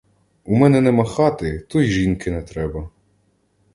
У мене нема хати, то й жінки не треба.